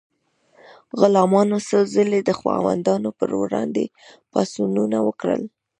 غلامانو څو ځلې د خاوندانو پر وړاندې پاڅونونه وکړل.